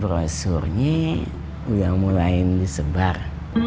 brosurnya udah mulain disebar